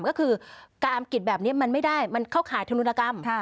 ก็คือการอังกิจแบบนี้มันไม่ได้มันเข้าข่ายธนุนกรรม